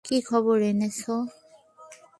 কী খবর এনেছো?